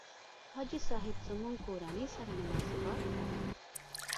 حاجي صاحب زموږ کورنۍ سره مناسبات لرل.